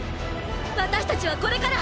私たちはこれから！